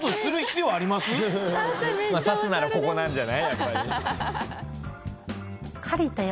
刺すならここなんじゃない？